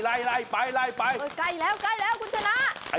ไกลแล้วกุญชนะ